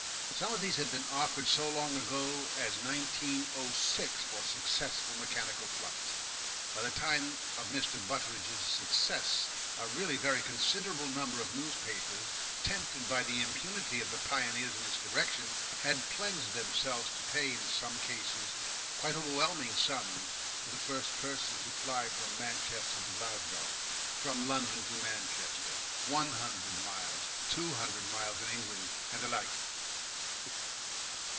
Some of these had been offered so long ago as 1906 for successful mechanical flight. By the time of Mr. Butteridge's success a really very considerable number of newspapers, tempted by the impunity of the pioneers in this direction, had pledged themselves to pay in some cases, quite overwhelming sums to the first person to fly from Manchester to Glasgow, from London to Manchester, one hundred miles, two hundred miles in England, and the like.